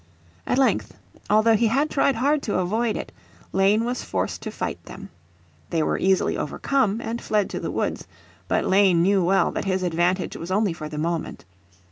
At length, although he had tried hard to avoid it, Lane was forced to fight them. They were easily overcome, and fled to the woods. But Lane knew well that his advantage was only for the moment.